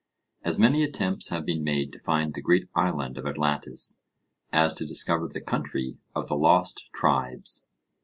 As many attempts have been made to find the great island of Atlantis, as to discover the country of the lost tribes.